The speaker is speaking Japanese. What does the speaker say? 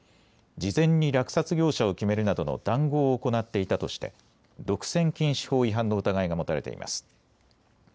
事前に落札業者を決めるなどの談合を行っていたとして独占禁止法違反の疑いが持たれています。